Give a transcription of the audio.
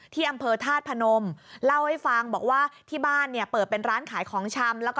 ที่อำเภอธาตุพนมเล่าให้ฟังบอกว่าที่บ้านเนี่ยเปิดเป็นร้านขายของชำแล้วก็